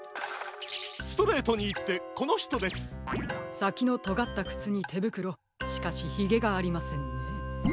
さきのとがったくつにてぶくろしかしひげがありませんね。